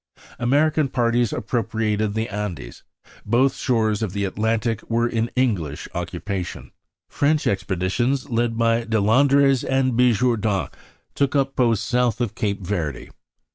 American parties appropriated the Andes; both shores of the Atlantic were in English occupation; French expeditions, led by Deslandres and Bigourdan, took up posts south of Cape Verde.